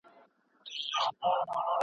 زما شعرونه به دې خوب ته نه پرېږدينه